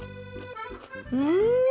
うん！